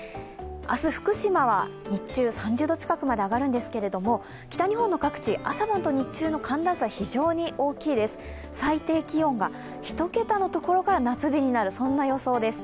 明日、福島は日中、３０度近くまで上がるんですけど北日本の各地、朝晩と日中の寒暖差非常に大きいです、最低気温が１桁のところが夏日になるそんな予想です。